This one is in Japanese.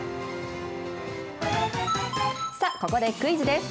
さあ、ここでクイズです。